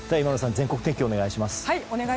全国天気お願いします。